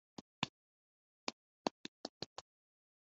ibyavanzwemo mu gihe uwo mutungo